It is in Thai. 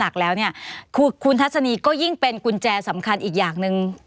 คุณทัศนีก็ยิ่งเป็นกุญแจสำคัญอีกอย่างหนึ่ง